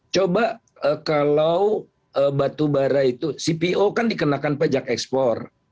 coba kalau batu bara itu cpo dikenakan pajak ekspor